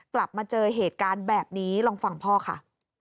กลับมาเจอเหตุการณ์แบบนี้ลองฟังพ่อค่ะ